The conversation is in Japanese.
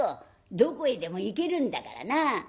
どこへでも行けるんだからなあ」。